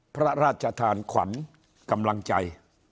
พระราชทานขวัญกำลังใจ